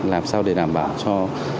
làm sao để đảm bảo cho